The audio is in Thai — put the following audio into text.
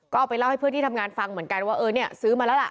ก็เอาไปเล่าให้เพื่อนที่ทำงานฟังเหมือนกันว่าเออเนี่ยซื้อมาแล้วล่ะ